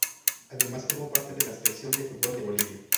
Además formó parte de la Selección de fútbol de Bolivia.